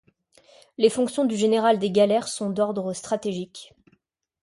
Les fonctions du général des galères sont d'ordre stratégique.